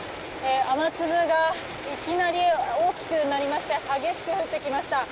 雨粒がいきなり大きくなりまして激しく降ってきました。